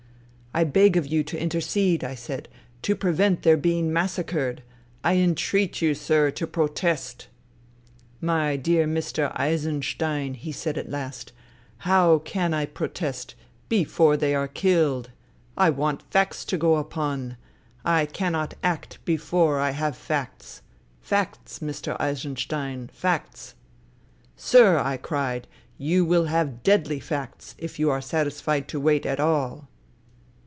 ' I beg of you to intercede,' I said, ' to prevent their being mas sacred. I entreat you, sir, to protest.' "' My dear Mr. Eisenstein,' he said at last, ' how can I protest — ^before they are killed ? I want facts to go upon. I cannot act before I have facts. Facts, Mr. Eisenstein, facts I '"' Sir,' I cried, ' you will have deadly facts, if you are satisfied to wait at all.'